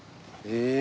へえ。